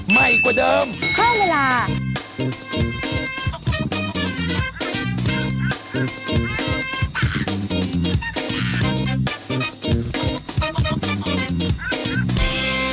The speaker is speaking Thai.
ไม่กว่าเดิมค่อยเลยล่ะ